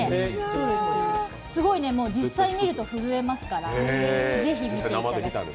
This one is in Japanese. すごい、実際に見ると震えますから是非見ていただきたい。